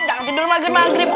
jangan tidur maghrib maghrib